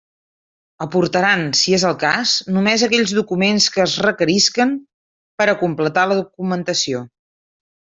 Aportaran, si és el cas, només aquells documents que es requerisquen per a completar la documentació.